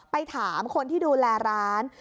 ไปถามคนที่ดูแลร้าน